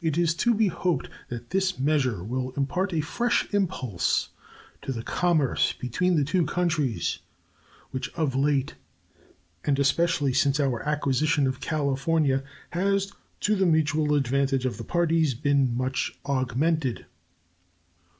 It is to be hoped that this measure will impart a fresh impulse to the commerce between the two countries, which of late, and especially since our acquisition of California, has, to the mutual advantage of the parties, been much augmented.